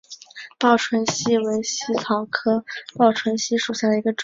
报春茜为茜草科报春茜属下的一个种。